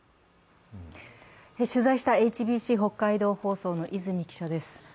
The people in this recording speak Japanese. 取材したＨＢＣ北海道放送の泉記者です。